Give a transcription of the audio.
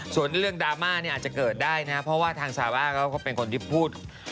ส่วนเรื่องดราม่าเนี่ยอาจจะเกิดได้นะเพราะว่าทางซาร่าก็เป็นคนที่พูด